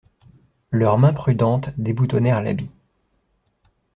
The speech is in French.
Leurs mains prudentes déboutonnèrent l'habit.